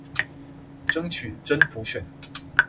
爭取真普選